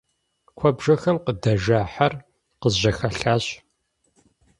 Куэбжэхэм къыдэжа хьэр къызжьэхэлъащ.